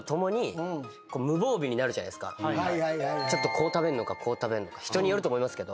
こう食べんのかこう食べんのか人によると思いますけど。